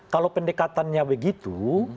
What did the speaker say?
kalau pendekatannya begitu